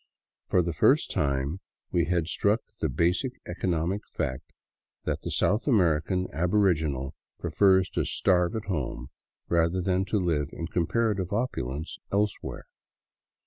For the first time we had struck the basic economic fact that the South American aboriginal prefers to starve at home rather than to live in comparative opulence elsewhere.